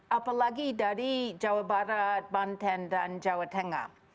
apalagi dari jawa barat banten dan jawa tengah